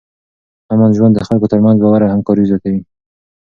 امن ژوند د خلکو ترمنځ باور او همکاري زیاتوي.